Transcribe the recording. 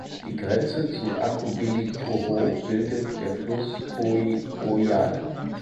Die Grenze zu Acubilitoho bildet der Fluss "Coioial".